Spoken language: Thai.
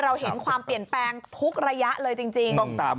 เราเห็นความเปลี่ยนแปลงทุกระยะเลยจริง